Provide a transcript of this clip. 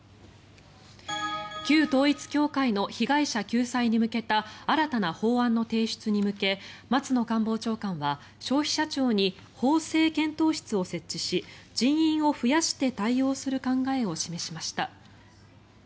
旧統一教会の被害者救済に向けた新たな法案の提出に向け松野官房長官は消費者庁に法制検討室を設置し人員を増やして対応する考えを示しました。